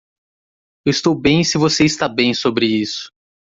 Eu estou bem se você está bem sobre isso.